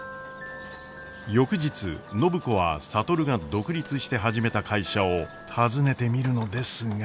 翌日暢子は智が独立して始めた会社を訪ねてみるのですが。